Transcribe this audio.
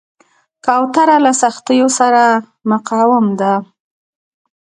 کوتره له سختیو سره مقاوم ده.